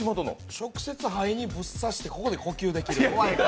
直接肺にぶっ刺してここで呼吸できる。